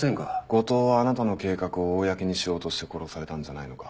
後藤はあなたの計画を公にしようとして殺されたんじゃないのか？